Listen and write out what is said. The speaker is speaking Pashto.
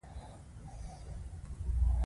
د خرڅ زیاتوالی د ښه خدمت نتیجه ده.